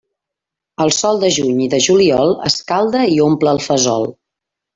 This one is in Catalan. El sol de juny i de juliol escalda i omple el fesol.